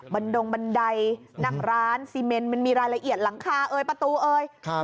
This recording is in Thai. ดงบันไดนั่งร้านซีเมนมันมีรายละเอียดหลังคาเอยประตูเอ่ยครับ